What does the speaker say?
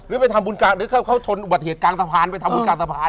หรือเค้าชนเย็นกลางสะพานและจะไปทำบุญกลางสะพาน